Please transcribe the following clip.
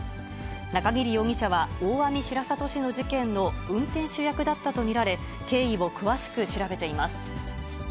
中桐容疑者は、大網白里市の事件の運転手役だったと見られ、経緯を詳しく調べています。